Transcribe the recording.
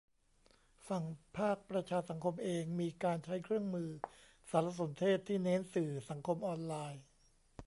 ฝั่งภาคประชาสังคมเองมีการใช้เครื่องมือสารสนเทศที่เน้นสื่อสังคมออนไลน์